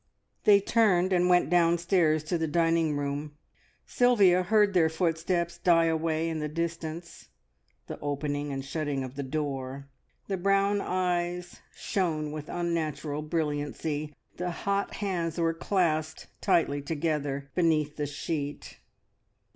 They turned and went downstairs to the dining room. Sylvia heard their footsteps die away in the distance, the opening and shutting of the door. The brown eyes shone with unnatural brilliancy, the hot hands were clasped tightly together beneath the sheet.